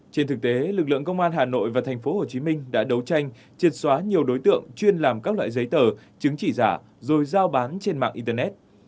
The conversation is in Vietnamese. trên thực tế lực lượng công an hà nội và thành phố hồ chí minh đã đấu tranh triệt xóa nhiều đối tượng chuyên làm các loại giấy tờ chứng chỉ giả rồi giao bán trên mạng internet